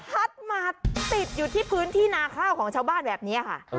พัดมาติดอยู่ที่พื้นที่นาข้าวของชาวบ้านแบบนี้ค่ะ